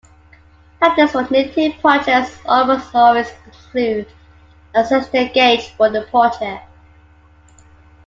Patterns for knitting projects almost always include a suggested gauge for the project.